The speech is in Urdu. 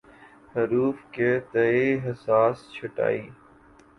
حروف کے تئیں حساس چھٹائی